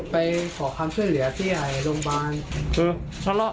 ไปขอความช่วยเหลือที่ใหม่โรงพยาบาล